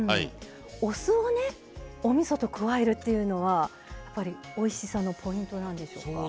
お酢をねおみそと加えるというのはやっぱりおいしさのポイントなんでしょうか？